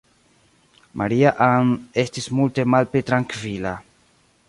Maria-Ann estis multe malpli trankvila.